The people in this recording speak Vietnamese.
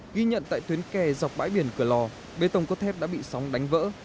ghi nhận tại tuyến kè dọc bãi biển cửa lò bê tông cốt thép đã bị sóng đánh vỡ